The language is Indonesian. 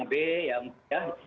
ada endo dan watong ab